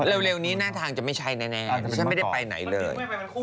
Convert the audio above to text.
เร็วนี้หน้าทางจะไม่ใช่แน่ดิฉันไม่ได้ไปไหนเลย